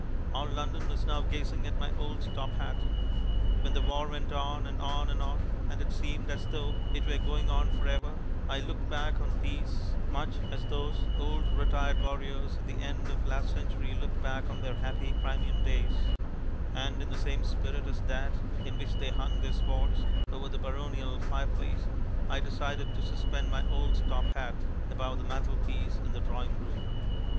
All London is now gazing at my old top hat. When the war went on and on and on, and it seemed as though it were going on for ever, I looked back on peace much as those old retired warriors at the end of last century looked back on their happy Crimean days; and in the same spirit as that in which they hung their swords over the baronial fireplace, I decided to suspend my old top hat above the mantel piece in the drawing room.